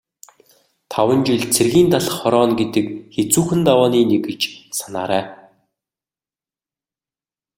Таван жил цэргийн талх хорооно гэдэг хэцүүхэн давааны нэг гэж санаарай.